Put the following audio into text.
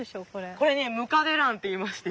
これねムカデランっていいまして。